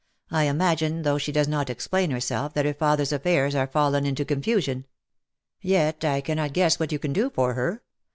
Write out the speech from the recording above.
" I imagine, though she does not explain herself, that her father's affairs are fallen into confusion. Yet I cannot guess what you can do for her.